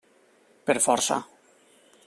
Per força.